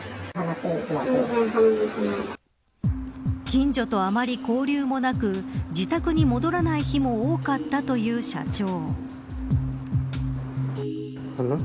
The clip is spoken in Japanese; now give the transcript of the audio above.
近所とあまり交流もなく自宅に戻らない日も多かったという社長。